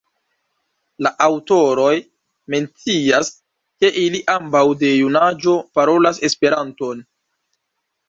La aŭtoroj mencias, ke ili ambaŭ de junaĝo parolas Esperanton.